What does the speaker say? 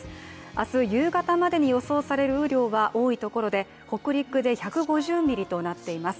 明日夕方までに予想される雨量は多いところで北陸で１５０ミリとなっています。